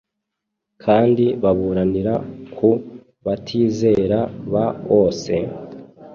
kandi baburanira ku batizera b ose?